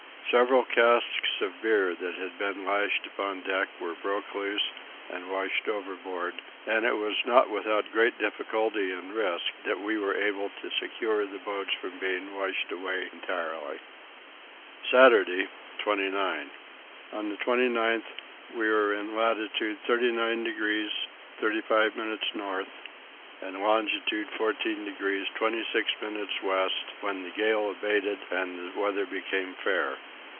Several casks of beer that had been lashed upon deck were broke loose and washed overboard, and it was not without great difficulty and risk that we were able to secure the boats from being washed away entirely. Saturday 29. On the 29th we were in latitude 39 degrees 35 minutes north and longitude 14 degrees 26 minutes west when the gale abated and the weather became fair.